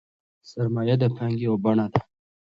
سرمایه د پانګې یوه بڼه ده.